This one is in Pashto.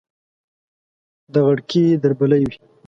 د غړکې دربلۍ وي